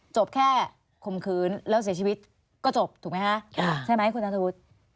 จบแค่ข่มขืนแล้วเสียชีวิตก็จบถูกไหมคะใช่ไหมคุณนัทธวุฒิ